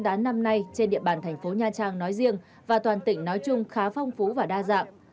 đất đá năm nay trên địa bàn thành phố nha trang nói riêng và toàn tỉnh nói chung khá phong phú và đa dạng